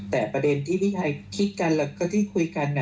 แต่ประเด็นที่พี่ไทยคิดกันแล้วก็ที่คุยกัน